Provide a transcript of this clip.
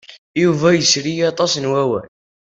Yuba yesri aṭas n waman.